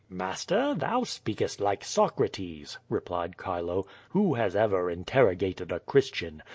"Master, thou speakest like Socrates," replied Chilo. "Who has ever interrogated a Christian?